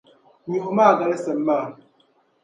Nyuɣu maa galisim maa.